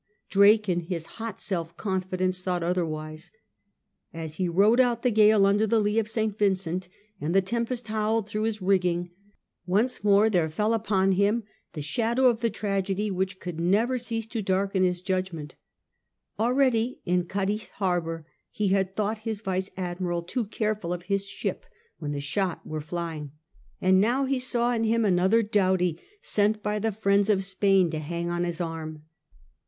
Drake in his hot self confidence thought otherwise. As he rode out the gale under the lee of St Vincent, and the tempest howled through his rigging, once more there fell upon him the shadow of the tragedy which could never cease to darken his judgment Already, in Cadiz harbour, he had thought his vice admiral too careful of his ship when the shot were flying ; and now he saw in him another Doughty sent by the friends of Spain to hang on his arm.